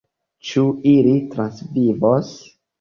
Ĉu ili transvivos?